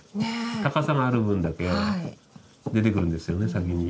高さがある分だけ出てくるんですよね先に。